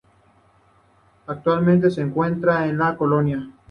Actualmente se encuentra en la Col.